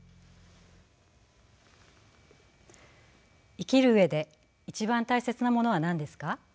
生きる上で一番大切なものは何ですか？